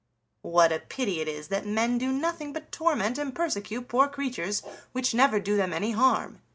"What a pity it is that men do nothing but torment and persecute poor creatures which never do them any harm!"